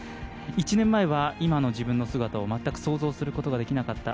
１年前は今の自分の姿を全く想像することができなかった。